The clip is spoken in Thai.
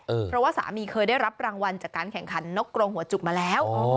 เพราะว่าสามีเคยได้รับรางวัลจากการแข่งขันนกกรงหัวจุกมาแล้ว